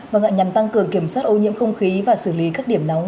và nhằm tăng cường kiểm soát ô nhiễm không khí và xử lý các điểm nóng